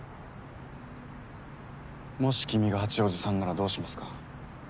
もし君が八王子さんならどうしますか？